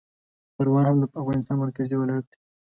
پروان هم د افغانستان مرکزي ولایت دی